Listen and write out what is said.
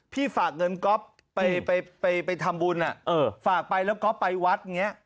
ฝากเงินก๊อฟไปทำบุญฝากไปแล้วก๊อฟไปวัดอย่างนี้